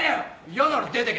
嫌なら出てけ。